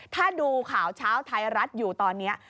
ถ้าดูข่าวเช้าไทยรัฐอยู่ตอนนี้